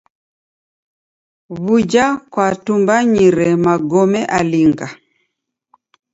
W'uja kwatumbanyire magome alinga?